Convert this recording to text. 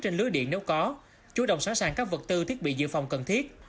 trên lưới điện nếu có chủ động sẵn sàng các vật tư thiết bị dự phòng cần thiết